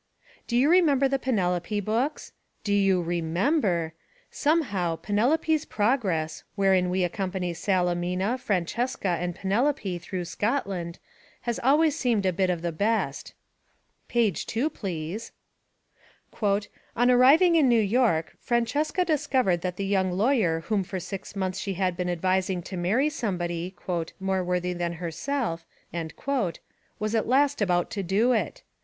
Do you remember the Penelope books? Do you remember! Somehow, Penelope's Progress, wherein we accompany Salemina, Francesca and Penelope through Scotland, has always seemed a bit the best. Page 2, please : "On arriving in New York, Francesca discovered that the young lawyer whom for six months she had been advising to marry somebody 'more worthy than herself was at last about to do it.